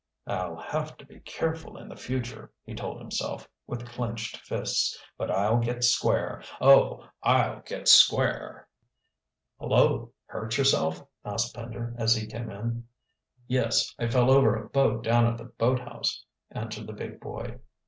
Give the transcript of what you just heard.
"I'll have to be careful in the future," he told himself, with clenched fists. "But I'll get square oh, I'll get square!" "Hullo, hurt yourself?" asked Pender, as he came in. "Yes, I fell over a boat down at the boathouse," answered the big boy.